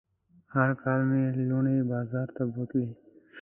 هر کال به مې لوڼې بازار ته بوولې.